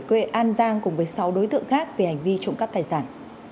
quê an giang cùng với sáu đối tượng khác về hành vi trụng cấp tài sản